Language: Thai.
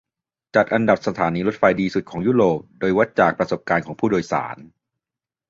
จัดอันดับสถานีรถไฟดีสุดของยุโรป โดยวัดจากประสบการณ์ของผู้โดยสาร